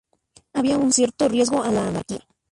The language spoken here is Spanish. Había un cierto riesgo a la anarquía.